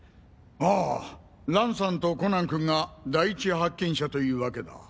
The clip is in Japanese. ああ蘭さんとコナン君が第一発見者というわけだ。